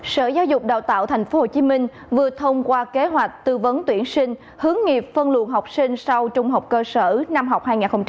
sở giáo dục đào tạo tp hcm vừa thông qua kế hoạch tư vấn tuyển sinh hướng nghiệp phân luồng học sinh sau trung học cơ sở năm học hai nghìn hai mươi hai nghìn hai mươi